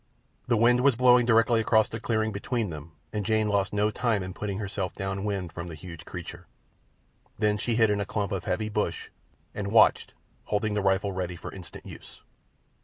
The wind was blowing directly across the clearing between them, and Jane lost no time in putting herself downwind from the huge creature. Then she hid in a clump of heavy bush and watched, holding the rifle ready for instant use.